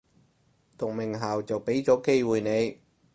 讀名校就畀咗機會你